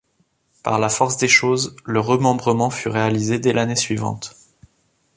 Par la force des choses, le remembrement fut réalisé dès l'année suivante.